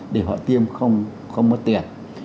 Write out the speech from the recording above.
để họ tiêm không mất tiền